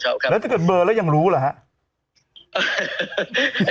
แล้วถ้าเกิดเบอร์แล้วยังรู้หรือครับ